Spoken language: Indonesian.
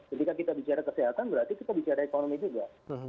ketika kita bicara kesehatan berarti kita bicara ekonomi juga